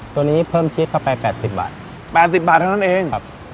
ตัวนี้เพิ่มชีสเข้าไป๘๐บาท๘๐บาทเท่านั้นเองครับ